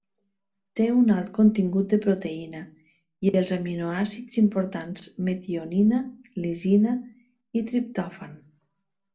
Té un alt contingut de proteïna i els aminoàcids importants metionina, lisina, i triptòfan.